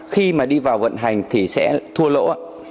khi mà đi vào vận hành thì sẽ thua lỗ